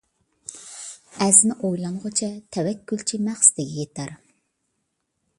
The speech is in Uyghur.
ئەزمە ئويلانغۇچە تەۋەككۈلچى مەقسىتىگە يېتەر.